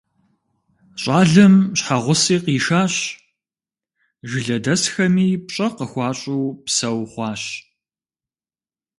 ЩӀалэм щхьэгъуси къишащ, жылэдэсхэми пщӀэ къыхуащӀу псэу хъуащ.